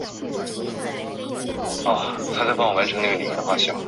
高速公路路线编号与新东名高速公路清水联络路被共同编为。